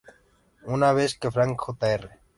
Una vez que Frank Jr.